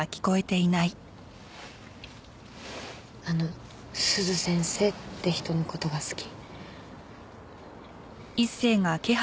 あの鈴先生って人の事が好き？